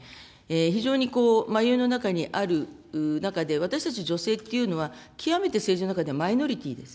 非常に迷いの中にある中で、私たち女性っていうのは、極めて政治の中でマイノリティーです。